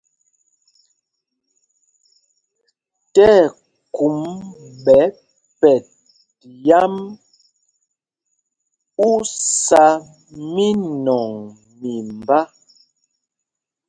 Tí ɛkum ɓɛ pɛt yǎm, ú sá mínɔŋ mimbá.